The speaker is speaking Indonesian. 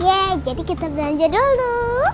iya jadi kita belanja dulu